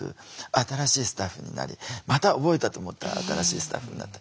新しいスタッフになりまた覚えたと思ったら新しいスタッフになって。